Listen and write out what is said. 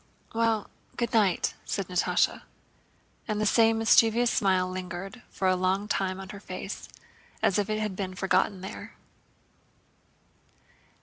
"Well, good night," said Natásha. And the same mischievous smile lingered for a long time on her face as if it had been forgotten there.